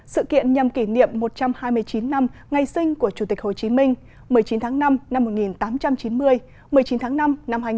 sự kiện nhằm kỷ niệm một trăm hai mươi chín năm ngày sinh của chủ tịch hồ chí minh một mươi chín tháng năm năm một nghìn tám trăm chín mươi một mươi chín tháng năm năm hai nghìn hai mươi